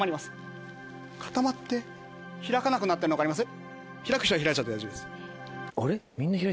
固まって開かなくなってんの分かります？